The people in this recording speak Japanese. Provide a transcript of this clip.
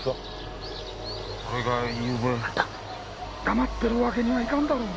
黙ってるわけにはいかんだろう。